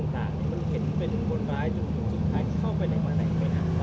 หมอบรรยาหมอบรรยา